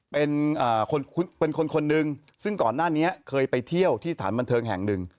เป็นคนเป็นคนนึงซึ่งก่อนหน้านี้เคยไปเที่ยวที่สถานบันเทิงแห่งหนึ่ง